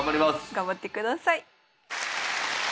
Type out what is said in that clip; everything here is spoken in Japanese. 頑張ってください。